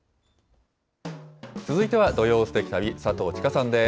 続いては土曜すてき旅、佐藤千佳さんです。